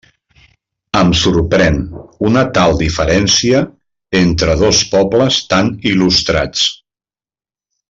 Em sorprèn una tal diferència entre dos pobles tan il·lustrats.